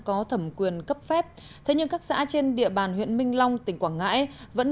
có thẩm quyền cấp phép thế nhưng các xã trên địa bàn huyện minh long tỉnh quảng ngãi vẫn